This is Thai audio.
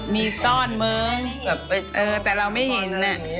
มีซ่อนเมืองแต่เราไม่เห็น